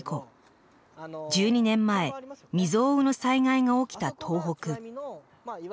１２年前未曽有の災害が起きた東北。